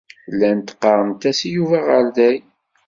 Llant ɣɣarent-as i Yuba aɣerday.